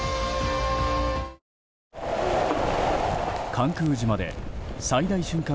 関空島で最大瞬間